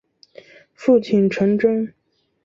父亲陈贞。